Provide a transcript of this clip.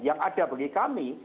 yang ada bagi kami